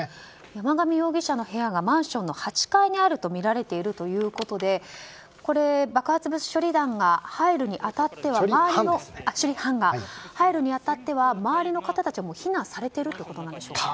山上容疑者の部屋がマンションの８階にあるとみられているということで爆発物処理班が入るに当たっては周りの方たちはもう避難されているということなんでしょうか。